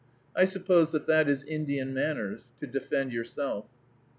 I suppose that that is Indian manners, to defend yourself.